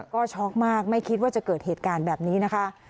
ก็ช็อกมากไม่คิดว่าจะเกิดเหตุการณ์แบบนี้นะคะ